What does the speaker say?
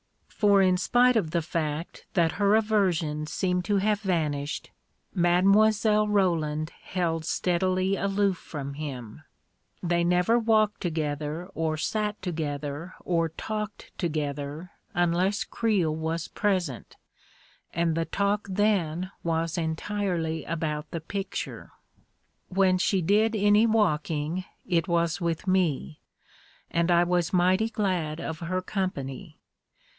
For in spite of the fact that her aversion seemed to have vanished, Mile. Roland held steadily aloof from him. They never walked together or sat to gether or talked together unless Creel was present, and the talk then was entirely about the picture. When she did any walking, it was with me, and I was mighty glad of her company.